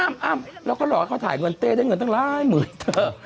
อ้ำแล้วก็รอให้เขาถ่ายเงินเต้ได้เงินตั้งหลายหมื่นเถอะ